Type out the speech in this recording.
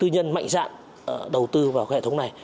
nhân mạnh dạng đầu tư vào hệ thống này